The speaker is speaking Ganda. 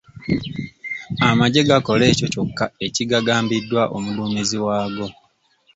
Amaggye gakola ekyo kyokka ekigagambiddwa omuduumizi waago.